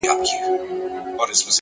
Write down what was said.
زما په ژوند کي د وختونو د بلا ياري ده،